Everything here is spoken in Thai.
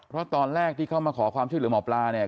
เพราะตอนแรกที่เขามาขอความช่วยเหลือหมอปลาเนี่ย